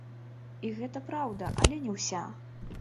І гэта праўда, але не ўся.